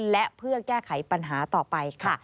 และเพื่อแก้ไขปัญหาต่อไปค่ะ